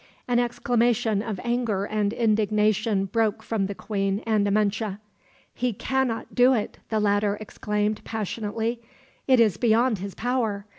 An exclamation of anger and indignation broke from the queen and Amenche. "He cannot do it," the latter exclaimed, passionately. "It is beyond his power.